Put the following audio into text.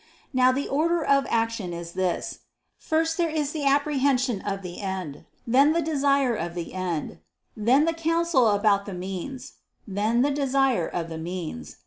Now the order of action is this: First there is the apprehension of the end; then the desire of the end; then the counsel about the means; then the desire of the means.